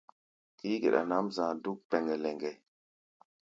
Kií-geɗa nʼǎm za̧a̧ dúk pɛŋgɛ-lɛŋgɛ.